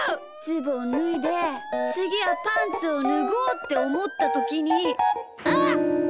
ズボンぬいでつぎはパンツをぬごうっておもったときに。